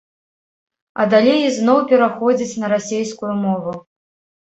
А далей ізноў пераходзіць на расейскую мову.